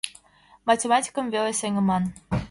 Математикым веле сеҥыман.